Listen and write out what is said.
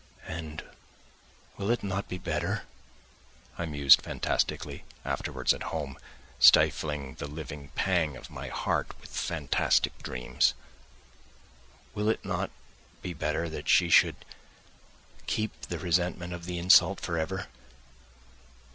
"And will it not be better?" I mused fantastically, afterwards at home, stifling the living pang of my heart with fantastic dreams. "Will it not be better that she should keep the resentment of the insult for ever?